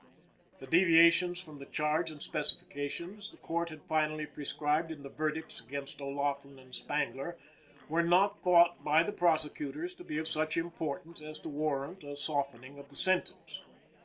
The deviations from the Charge and Specification, the Court had finally prescribed in the verdicts against O'Laughlin and Spangler, were not thought by the prosecutors to be of such importance as to warrant a softening of the sentence.